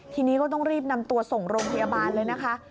ทีนี้ก็ต้องรีบนำตัวส่งโรงพยาบาลเลยนะคะ